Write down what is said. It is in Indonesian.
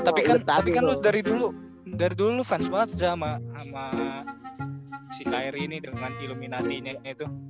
tapi kan lo dari dulu fans banget aja sama si kri ini dengan illuminati nya itu